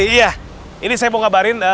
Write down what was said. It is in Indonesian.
ini saya mau kabarin mobilnya udah berubah